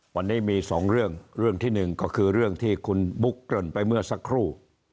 วันนี้มีสองเรื่องเรื่องที่หนึ่งก็คือเรื่องที่คุณบุ๊กเกริ่นไปเมื่อสักครู่